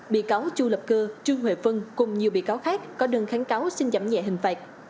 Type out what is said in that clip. bị cáo chu lập cơ trương huệ vân cùng nhiều bị cáo khác có đơn kháng cáo xin giảm nhẹ hình phạt